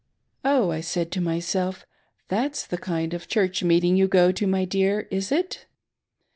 Oh, said I to m)r5eM, that's the kind of Church meetii\g you go to my dear, is it.'